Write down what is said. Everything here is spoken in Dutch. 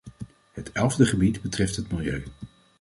Het elfde gebied betreft het milieu.